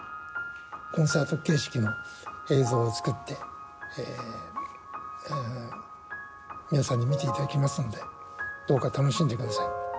コンサート形式の映像を作って、皆さんに見ていただきますので、どうか楽しんでください。